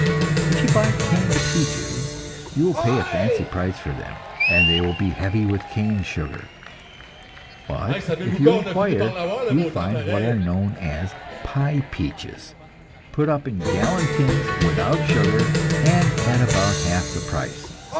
If you buy canned peaches, you will pay a fancy price for them, and they will be heavy with cane sugar; but if you inquire, you find what are known as "pie peaches," put up in gallon tins without sugar, and at about half the price.